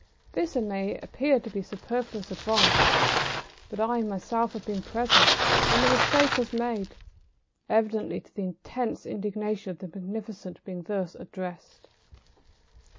This may appear to be superfluous advice, but I have myself been present when the mistake was made, evidently to the intense indignation of the magnificent being thus addressed.